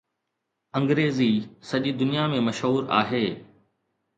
انگريزي سڄي دنيا ۾ مشهور آهي